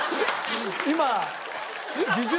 今。